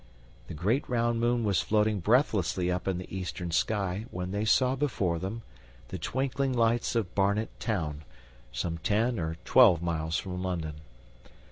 The great round moon was floating breathlessly up in the eastern sky when they saw before them the twinkling lights of Barnet Town, some ten or twelve miles from London.